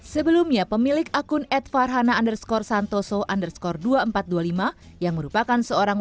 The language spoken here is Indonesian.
sebelumnya pemilik akun ad farhana underscore santoso underscore dua ribu empat ratus dua puluh lima yang merupakan seorang